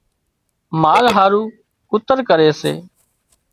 مال هارو ڪُتر ڪري سي